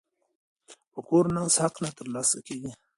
په کور ناست حق نه ترلاسه کیږي.